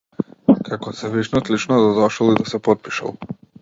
Како севишниот лично да дошол и да се потпишал.